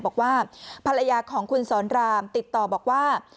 บอกว่าภรรยาของคุณสอนรามติดต่อบอกว่า